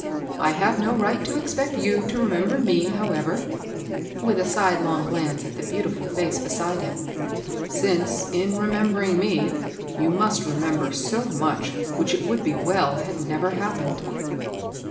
'* I have no right to expect y(m to remember me^ however," with a sidelong glance at the beautiful face beside him ;" smce, in remembering me, you must remember so much which it would be well had never happened."